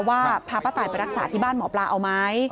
ว่าพาป้าตายไปรักษาที่บ้านหมอปลาเอาไหม